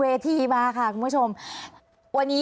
รัฐบาลนี้ใช้วิธีปล่อยให้จนมา๔ปีปีที่๕ค่อยมาแจกเงิน